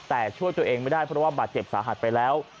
แต่ช่วยตัวเองไม่ได้เพราะบาดเจ็บสาธิตเป็นแล้ว